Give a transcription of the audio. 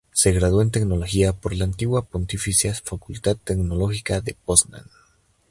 Se graduó en Teología por la antigua Pontificia Facultad Teológica de Poznań.